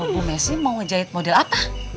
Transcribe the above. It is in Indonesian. bu messi mau ngejahit model apa